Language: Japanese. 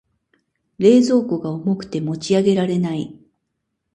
冷蔵庫が重くて持ち上げられない。